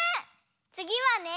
つぎはね。